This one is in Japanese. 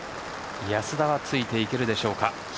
安田はついていけるでしょうか。